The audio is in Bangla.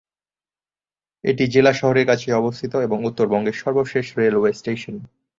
এটি জেলা শহরের কাছেই অবস্থিত এবং উত্তরবঙ্গের সর্বশেষ রেলওয়ে স্টেশন।